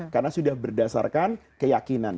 karena sudah berdasarkan keyakinan